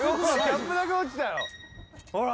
ほら！